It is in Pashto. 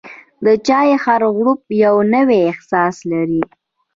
د چای هر غوړپ یو نوی احساس لري.